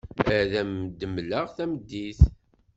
Ad am-d-mleɣ tamdint.